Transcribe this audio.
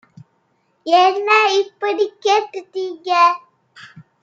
என்ன இப்படிக் கேட்டுட்டீங்க